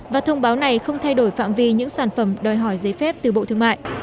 và thông báo này không thay đổi phạm vi những sản phẩm đòi hỏi giấy phép từ bộ thương mại